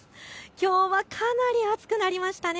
きょうはかなり暑くなりましたね。